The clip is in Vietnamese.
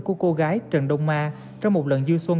của cô gái trần đông a trong một lần dư xuân